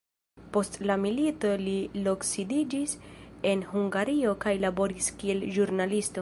Post la milito li loksidiĝis en Hungario kaj laboris kiel ĵurnalisto.